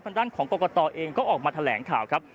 ด้านของกรกตเองก็ออกมาแถลงข่าวครับ